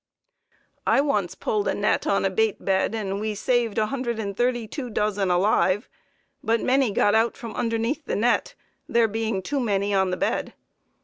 I once pulled a net on a bait bed and we saved 132 dozen alive, but many got out from underneath the net, there being too many on the bed.